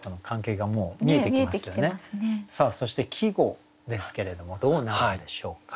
さあそして季語ですけれどもどうなるんでしょうか？